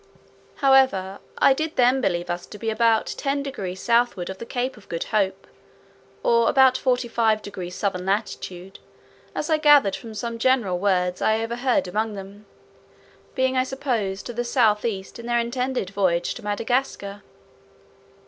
However, I did then believe us to be about 10 degrees southward of the Cape of Good Hope, or about 45 degrees southern latitude, as I gathered from some general words I overheard among them, being I supposed to the south east in their intended voyage to Madagascar.